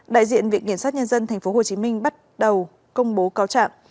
đại diện viện kiểm sát nhân dân tp hcm bắt đầu công bố cáo trạng